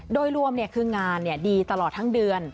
โดยรวมเนี่ยคืองานเนี่ยดีตลอดทั้งเดือน